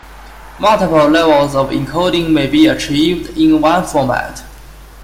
Multiple levels of encoding may be achieved in one format.